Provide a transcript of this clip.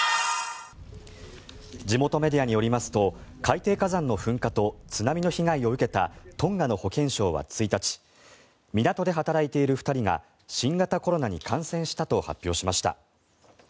地元メディアによりますと海底火山の噴火と津波の被害を受けたトンガの保健相は１日港で働いている２人が新型コロナに感染したと発表しました。